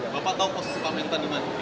bapak tahu posisi pak mentan di mana